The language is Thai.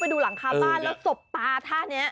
ดูหลังคาบ้านแล้วสบตาท่านี้